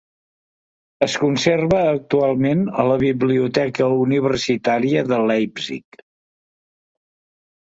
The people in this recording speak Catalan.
Es conserva actualment a la biblioteca universitària de Leipzig.